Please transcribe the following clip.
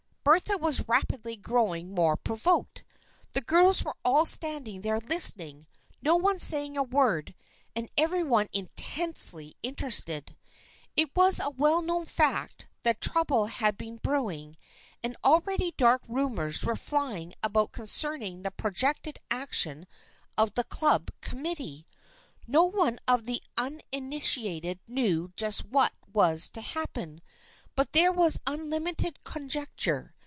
Bertha was rapidly growing more provoked. The girls were all standing there listening, no one saying a word and every one intensely interested. It was a well known fact that trouble had been brewing, and already dark rumors were flying about concerning the projected action of the club committee. No one of the unitiated knew just what was to happen, but there was unlimited con jecture.